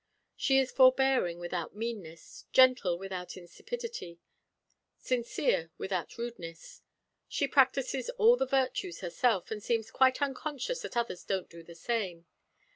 She is forbearing, without meanness gentle, without insipidity sincere, without rudeness. She practises all the virtues herself, and seems quite unconscious that others don't do the same.